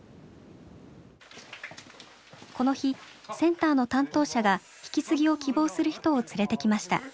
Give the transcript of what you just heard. この日センターの担当者が引き継ぎを希望する人を連れてきました。